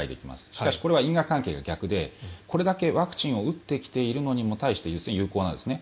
しかし、これは因果関係が逆でこれだけワクチンを打ってきているのに対して有効なんですね。